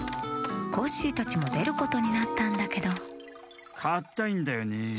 コッシーたちもでることになったんだけどかったいんだよね。